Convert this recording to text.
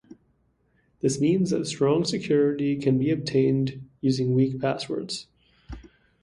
This means that strong security can be obtained using weak passwords.